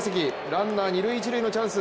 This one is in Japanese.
ランナー二塁・一塁のチャンス。